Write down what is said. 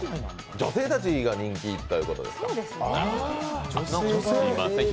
女性たちが人気ということですか。